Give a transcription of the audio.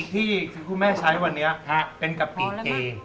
กะผิที่คุณแม่ใช้วันเนี้ยเป็นกะผิเก